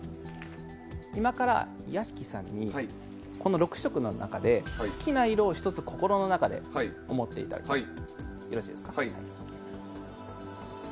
今から屋敷さんにこの６色の中で好きな色を１つ思っていただきます